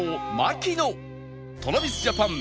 ＴｒａｖｉｓＪａｐａｎ